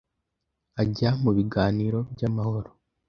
ajya mu biganiro by’amahoro